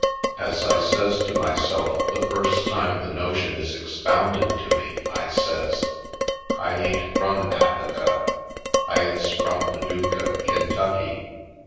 As I says to myself the first time the notion is expounded to me, I says: "I ain't frum Affika, I is frum Paducah, Kintucky.